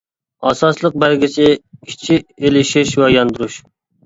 ئاساسلىق بەلگىسى ئىچى ئېلىشىش ۋە ياندۇرۇش.